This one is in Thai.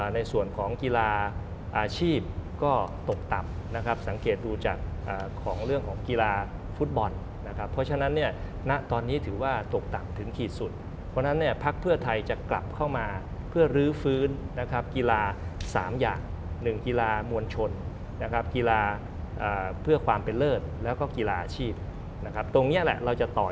ในส่วนของกีฬาอาชีพก็ตกต่ำนะครับสังเกตดูจากของเรื่องของกีฬาฟุตบอลนะครับเพราะฉะนั้นเนี่ยณตอนนี้ถือว่าตกต่ำถึงขีดสุดเพราะฉะนั้นเนี่ยพักเพื่อไทยจะกลับเข้ามาเพื่อรื้อฟื้นนะครับกีฬา๓อย่าง๑กีฬามวลชนนะครับกีฬาเพื่อความเป็นเลิศแล้วก็กีฬาอาชีพนะครับตรงนี้แหละเราจะต่อ